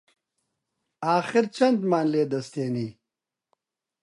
ئاخر چەندمان لێ دەستێنی؟